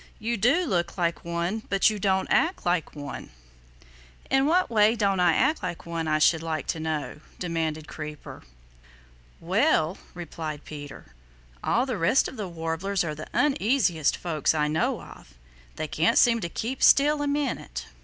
"You do look like one but you don't act like one." "In what way don't I act like one I should like to know?" demanded Creeper. "Well," replied Peter, "all the rest of the Warblers are the uneasiest folks I know of. They can't seem to keep still a minute.